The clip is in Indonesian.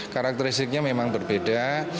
karakteristiknya memang berbeda